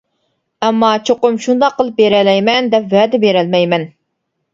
ئەمما چوقۇم شۇنداق قىلىپ بېرەلەيمەن دەپ ۋەدە بېرەلمەيمەن.